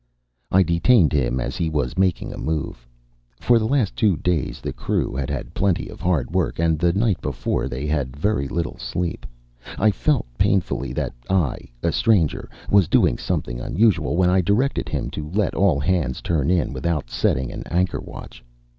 I detained him as he was making a move. For the last two days the crew had had plenty of hard work, and the night before they had very little sleep. I felt painfully that I a stranger was doing something unusual when I directed him to let all hands turn in without setting an anchor watch.